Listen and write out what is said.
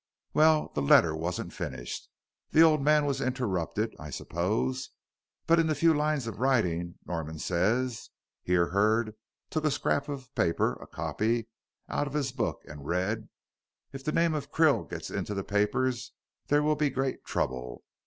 "Well, the letter wasn't finished. The old man was interrupted, I suppose. But in the few lines of writing Norman says," here Hurd took a scrap of paper a copy out of his book and read, "'If the name of Krill gets into the papers there will be great trouble.